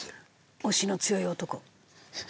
押しの強い男！